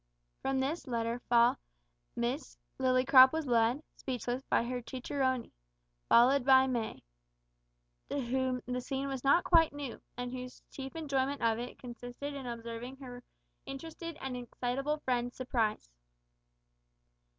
From this letter fall Miss Lillycrop was led, speechless, by her cicerone, followed by May, to whom the scene was not quite new, and whose chief enjoyment of it consisted in observing her interested and excitable friend's surprise.